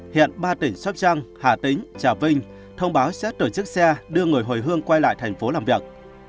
hiện ba tỉnh sopchang hà tĩnh trà vinh thông báo sẽ tổ chức xe đưa người hồi hương quay lại tp làm việc